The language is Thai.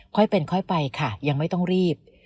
ค่อยเป็นค่อยไปค่ะยังไม่ต้องรีบ